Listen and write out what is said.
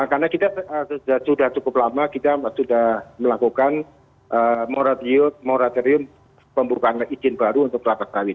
karena kita sudah cukup lama kita sudah melakukan moratorium pembukaan izin baru untuk pelabat sawit